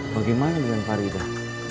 bagaimana dengan faridah